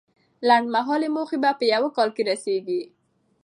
لنډمهاله موخې په یو کال کې رسیږي.